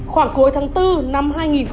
khoảng cuối tháng bốn năm hai nghìn hai mươi